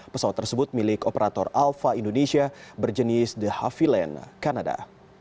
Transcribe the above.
pesawat tersebut milik operator alpha indonesia berjenis the hufhyland kanada